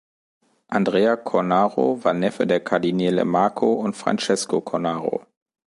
Andrea Cornaro war Neffe der Kardinäle Marco und Francesco Cornaro.